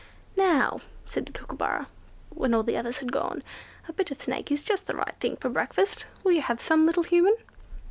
"Now," said the Kookooburra, when all the others had gone, "a bit of snake is just the right thing for breakfast. Will you have some, little Human?"